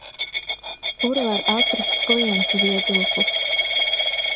Kur var atrast klientu viedokli?